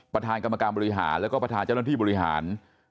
ประธานกรรมการบริหารแล้วก็ประธานเจ้าหน้าที่บริหาร